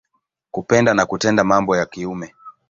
Kupenda na kutenda mambo ya kiume.